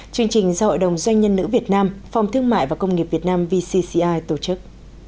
chương trình do hội đồng doanh nhân nữ việt nam phòng thương mại và công nghiệp việt nam vcci tổ chức